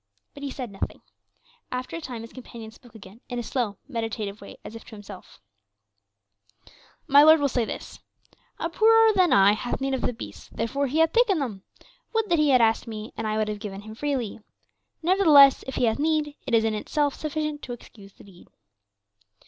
But he said nothing; after a time his companion spoke again in a slow, meditative way, as if to himself: "My lord will say this: 'A poorer than I hath need of the beasts, therefore he hath taken them. Would that he had asked me, and I would have given him freely; nevertheless if he hath need, it is in itself sufficient to excuse the deed.